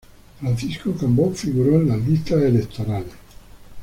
Francisco Cambó figuró en las listas electorales.